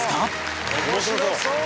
「面白そう！」